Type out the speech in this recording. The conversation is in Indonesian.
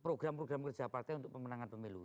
program program kerja partai untuk pemenangan pemilu